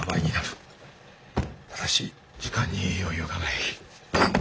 ただし時間に余裕がない。